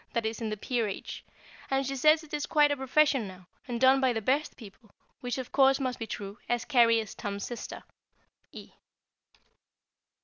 that is in the Peerage; and she says it is quite a profession now, and done by the best people, which of course must be true, as Carry is Tom's sister. E.